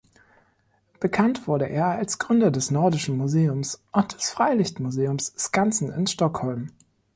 Bekannt wurde er als Gründer des Nordischen Museums und des Freilichtmuseums Skansen in Stockholm.